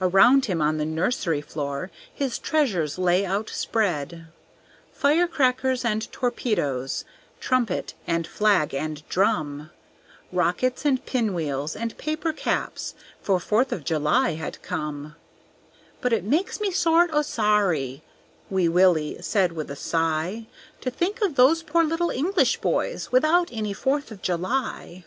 Around him on the nursery floor His treasures lay outspread. Firecrackers and torpedoes, Trumpet and flag and drum, Rockets and pinwheels and paper caps, For Fourth of July had come. "But it makes me sort o' sorry," Wee Willie said with a sigh, "To think of those poor little English boys Without any Fourth of July."